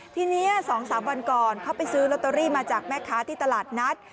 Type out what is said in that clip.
ทีนี้๒๓วันก่อนเขาไปซื้อลอตเตอรี่มาจากแม่ค้าที่ตลาดนัด